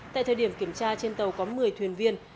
tại thời điểm kiểm tra trên tàu có một mươi thuyền viên